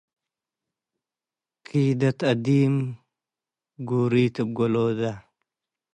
ኪደት አዲም ጉሪት እብ ገሎደ